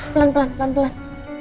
pelan pelan pelan pelan